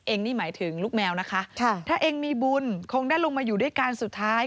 เองนี่หมายถึงลูกแมวนะคะถ้าเองมีบุญคงได้ลงมาอยู่ด้วยกันสุดท้าย